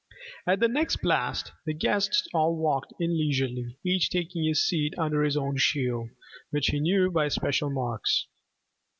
At the next blast the guests all walked in leisurely, each taking his seat under his own shield (which he knew by special marks).